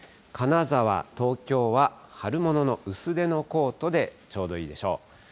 金沢、東京は春物の薄手のコートでちょうどいいでしょう。